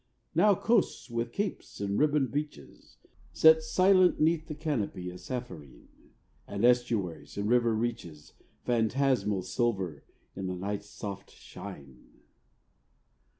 Now coasts with capes and ribboned beaches Set silent 'neath the canopy sapphirine, And estuaries and river reaches. Phantasmal silver in the night's soft shine.